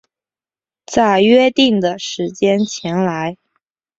在约定的时间前来